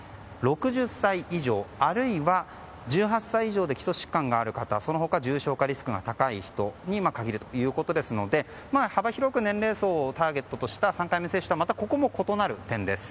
６０歳以上、あるいは１８歳以上で基礎疾患がある方その他、重症化リスクが高い人に限るということですので幅広い年齢層をターゲットとした３回目接種とはまたここも異なる点です。